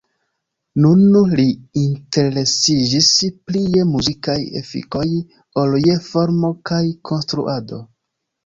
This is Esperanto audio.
Nun, li interesiĝis pli je muzikaj efikoj ol je formo kaj konstruado.